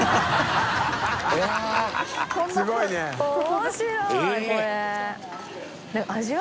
面白いこれ